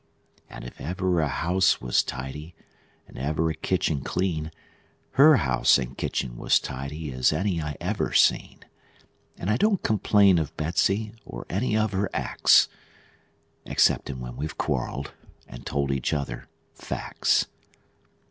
And if ever a house was tidy, and ever a kitchen clean, Her house and kitchen was tidy as any I ever seen; And I don't complain of Betsey, or any of her acts, Exceptin' when we've quarreled, and told each other facts.